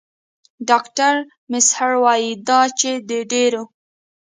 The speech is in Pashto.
ډاکټر میزهر وايي دا چې د ډېرو